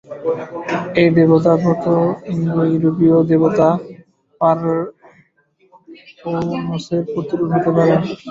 এই দেবতা প্রোটো-ইন্দো-ইউরোপীয় দেবতা পারকউনোসের প্রতিরূপ হতে পারে।